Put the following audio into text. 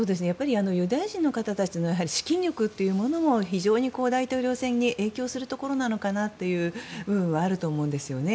ユダヤ人の方たちの資金力というものも非常に大統領選に影響するところかなという部分はあると思うんですよね。